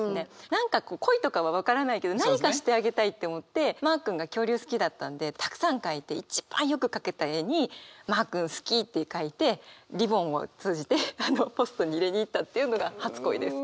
何か恋とかは分からないけど何かしてあげたいって思ってマー君が恐竜好きだったんでたくさん描いて一番よく描けた絵に「マー君好き」って書いてリボンをつうじてポストに入れに行ったっていうのが初恋です。